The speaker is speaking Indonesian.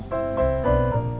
enggak kalau bercanda